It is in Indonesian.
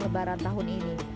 lebaran tahun ini